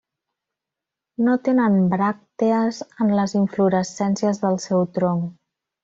No tenen bràctees en les inflorescències del seu tronc.